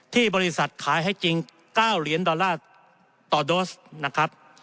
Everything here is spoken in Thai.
ที่บริษัทขายให้จริง๙เหรียญดอลลาร์ต่อโดสนะครับ